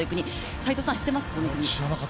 斎藤さん、知っていましたか？